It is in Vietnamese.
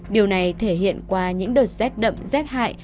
điều này thể hiện qua những đợt rét đậm rét hại